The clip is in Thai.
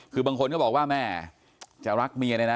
คือบางคนก็บอกว่าแม่จะรักเมียเลยนะ